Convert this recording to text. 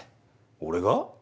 俺が？